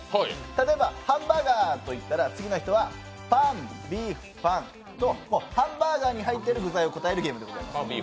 例えば、ハンバーガーと言ったらパン・ビーフ・パンとハンバーガーに入っている具材を答えるゲームです。